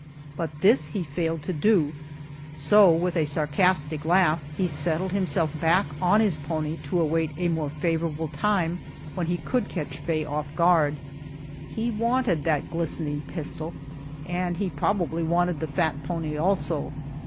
But this he failed to do, so, with a sarcastic laugh, he settled himself back on his pony to await a more favorable time when he could catch Faye off guard. He wanted that glistening pistol, and he probably wanted the fat pony also.